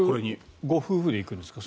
ご夫婦で行くんですか？